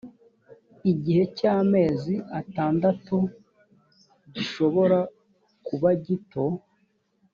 igihe cy’amezi atandatu gishobora kuba gito